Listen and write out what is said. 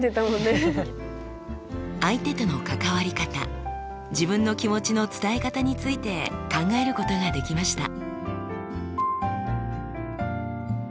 相手との関わり方自分の気持ちの伝え方について考えることができました。